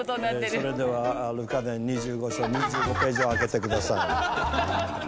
それではルカ伝２５章２５ページを開けてください。